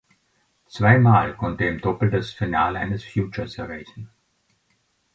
Zweimal konnte er im Doppel das Finale eines Futures erreichen.